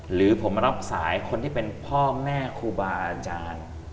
หรือผมรับสายคนที่เป็นพ่อแม่ครูบาอาจารย์